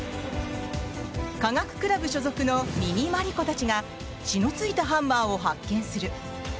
科学クラブ所属のミニマリコたちが血の付いたハンマーを発見する。